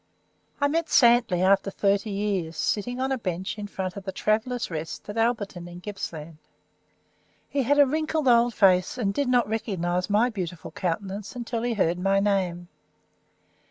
I met Santley after thirty years, sitting on a bench in front of the "Travellers' Rest" at Alberton, in Gippsland. He had a wrinkled old face, and did not recognise my beautiful countenance until he heard my name.